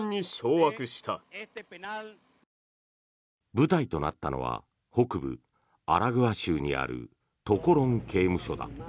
舞台となったのは北部アラグア州にあるトコロン刑務所だ。